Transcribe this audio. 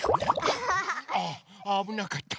ああぶなかった。